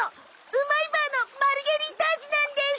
ウマイバーのマルゲリータ味なんです！